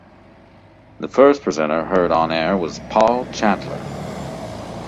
The first presenter heard on air was Paul Chantler.